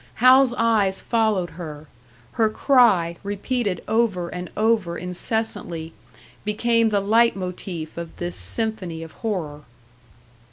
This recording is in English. Hal's eyes followed her; her cry, repeated over and over incessantly, became the leit motif of this symphony of horror.